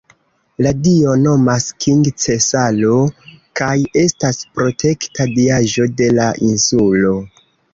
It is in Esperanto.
La dio nomas King-Cesaro kaj estas protekta diaĵo de la insulo.